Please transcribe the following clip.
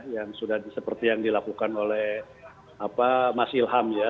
yang sudah seperti yang dilakukan oleh mas ilham ya